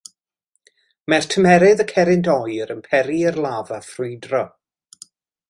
Mae tymheredd y cerrynt oer yn peri i'r lafa ffrwydro.